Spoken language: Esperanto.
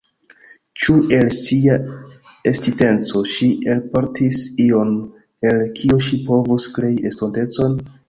Ĉu el sia estinteco ŝi elportis ion, el kio ŝi povus krei estontecon?